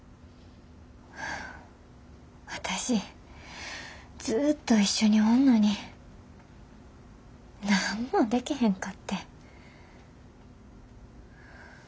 私ずっと一緒におんのに何もでけへんかってん。